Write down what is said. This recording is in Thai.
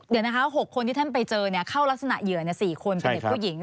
เดี๋ยวนะคะ๖คนที่ท่านไปเจอเข้ารักษณเหยื่อ๔คนเป็นเด็กผู้หญิง